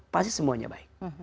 pasti semuanya baik